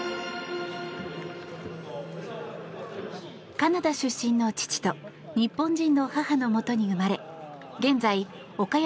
カナダ出身の父と日本人の母のもとに生まれ現在、岡山